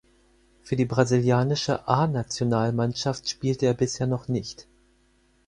Für die brasilianische A-Nationalmannschaft spielte er bisher noch nicht.